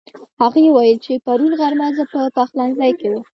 هغې وويل چې پرون غرمه زه په پخلنځي کې وم